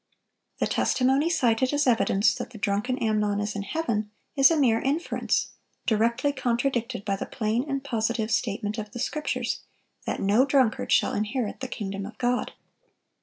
The testimony cited as evidence that the drunken Amnon is in heaven, is a mere inference, directly contradicted by the plain and positive statement of the Scriptures, that no drunkard shall inherit the kingdom of God.